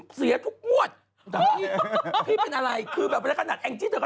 พี่เป็นอะไรแบบเมื่อขนาดแองจิตเหลือ